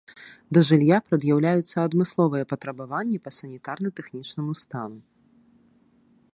Да жылля прад'яўляюцца адмысловыя патрабаванні па санітарна-тэхнічнаму стану.